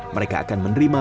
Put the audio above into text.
mereka akan menerima